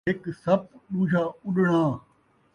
ہک سپ ݙوجھا اݙݨاں